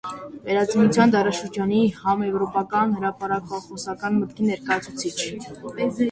Վերածնության դարաշրջանի համաեվրոպական հրապարակախոսական մտքի ներկայացուցիչ։